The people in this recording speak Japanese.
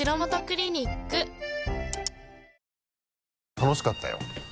楽しかったよ。